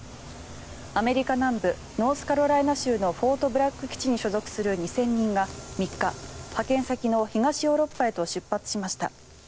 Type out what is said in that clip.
アメリカ南部ノースカロライナ州のフォートブラッグ基地に所属する２０００人が３日派遣先の東ヨーロッパへと出発しました。